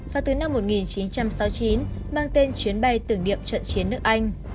và từ năm một nghìn chín trăm sáu mươi chín mang tên chuyến bay tưởng niệm trận chiến nước anh